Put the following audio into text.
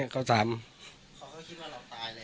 เขาก็คิดว่าเราตายแล้ว